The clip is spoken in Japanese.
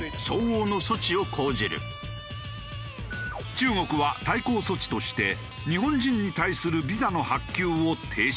中国は対抗措置として日本人に対するビザの発給を停止。